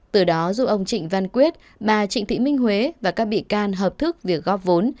từ đó giúp ông trịnh văn quyết bà trịnh thị minh huế và các bị can hợp thức việc góp vốn